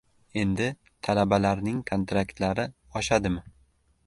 Endi talabalarning kontraktlari oshadimi?